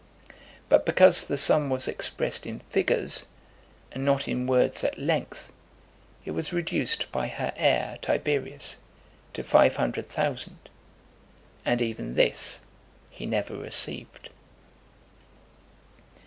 But because the sum was expressed in figures, and not in words at length, it was reduced by her heir, Tiberius, to five hundred thousand: and even this he never received.